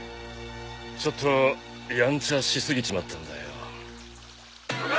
ちょっとやんちゃし過ぎちまったんだよ。